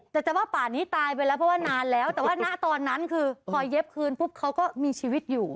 แต่จะว่าป่านี้ตายไปแล้วเพราะว่านานแล้วแต่ว่าณตอนนั้นคือพอเย็บคืนปุ๊บเขาก็มีชีวิตอยู่